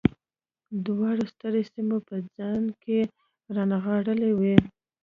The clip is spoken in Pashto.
دواړو سترې سیمې په ځان کې رانغاړلې وې